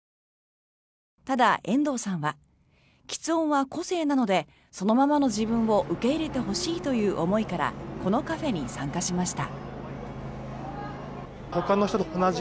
ただ、遠藤さんはきつ音は個性なのでそのままの自分を受け入れてほしいという思いからこのカフェに参加しました。